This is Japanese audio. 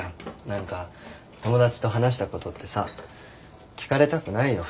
何か友達と話したことってさ聞かれたくないよ